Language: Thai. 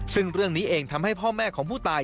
ซึ่งเรื่องนี้เองทำให้พ่อแม่ของผู้ตาย